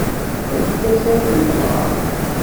Efk-as ayen yebɣa.